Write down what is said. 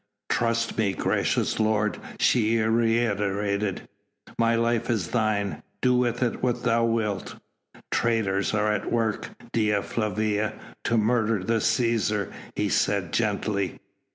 "Trust me, gracious lord," she reiterated, "my life is thine, do with it what thou wilt." "Traitors are at work, Dea Flavia, to murder the Cæsar," he said gently.